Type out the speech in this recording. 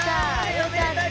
よかった。